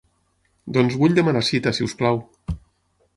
Doncs vull demanar cita si us plau.